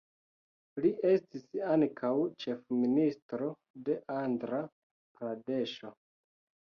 Li estis ankaŭ ĉefministro de Andra-Pradeŝo.